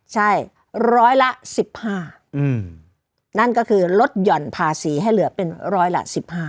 ใช่ร้อยละ๑๕นั่นก็คือลดหย่อนภาษีให้เหลือเป็นร้อยละ๑๕